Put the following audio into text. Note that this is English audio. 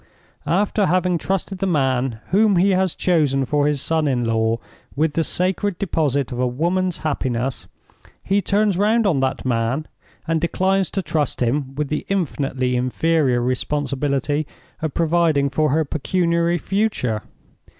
After having trusted the man whom he has chosen for his son in law with the sacred deposit of a woman's happiness, he turns round on that man, and declines to trust him with the infinitely inferior responsibility of providing for her pecuniary future.